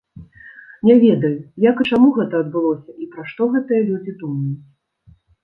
Не ведаю, як і чаму гэта адбылося і пра што гэтыя людзі думаюць.